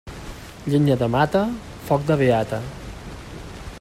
Llenya de mata, foc de beata.